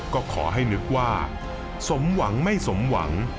ก็ขอให้นึกว่าสมหวังไม่สมหวัง